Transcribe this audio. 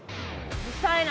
うるさいな。